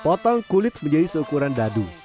potong kulit menjadi seukuran dadu